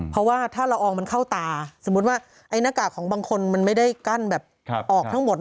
เพราะว่าถ้าละอองมันเข้าตาสมมุติว่าหน้ากากของบางคนมันไม่ได้กั้นแบบออกทั้งหมด